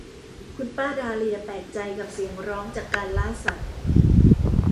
คุณป้าดาเลียแปลกใจกับเสียงร้องจากการล่าสัตว์